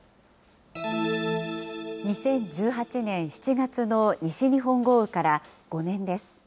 ２０１８年７月の西日本豪雨から５年です。